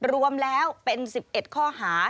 รวมแล้วเป็น๑๑ข้อหา